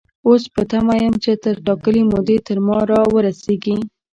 اوس په تمه يم چې تر ټاکلې مودې تر ما را ورسيږي.